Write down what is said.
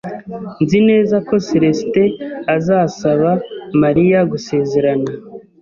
Nzi neza ko Celestin azasaba Mariya gusezerana.